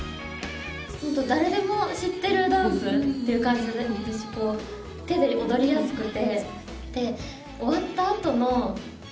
本当誰でも知ってるダンスっていう感じだしこう手で踊りやすくて。